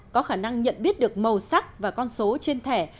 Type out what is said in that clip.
có khả năng nhận biết được màu sắc và con số trên thẻ